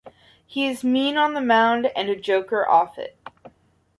He is mean on the mound and a joker off it.